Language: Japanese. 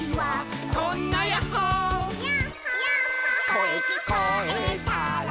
「こえきこえたら」